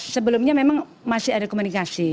sebelumnya memang masih ada komunikasi